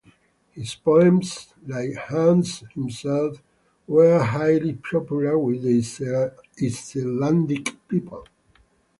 His poems - like Hannes himself - were highly popular with the Icelandic people.